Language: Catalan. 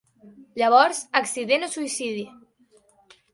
Llavors, accident o suïcidi?